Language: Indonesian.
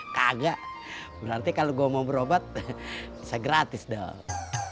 kagak berarti kalau gue mau berobat bisa gratis dong